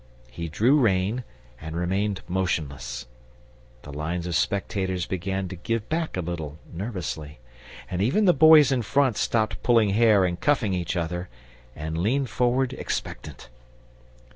He drew rein and remained motionless. The lines of spectators began to give back a little, nervously; and even the boys in front stopped pulling hair and cuffing each other, and leaned forward expectant.